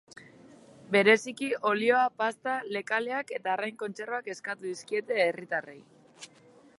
Bereziki, olioa, pasta, lekaleak eta arrain kontserbak eskatu dizkiete herritarrei.